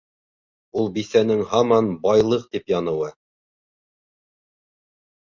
Ул бисәнең һаман байлыҡ тип яныуы.